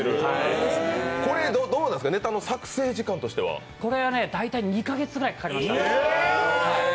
これどうなんですかネタの作成時間としては。大体２か月ぐらいかかりました。